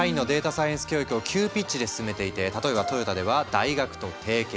サイエンス教育を急ピッチで進めていて例えばトヨタでは大学と提携。